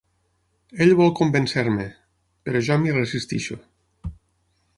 Ell vol convèncer-me, però jo m'hi resisteixo.